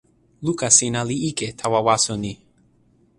luka sina li ike tawa waso ni.